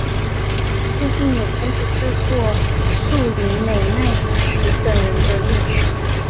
最近也开始制作栗林美奈实等人的乐曲。